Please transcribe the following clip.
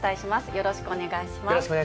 よろしくお願いします。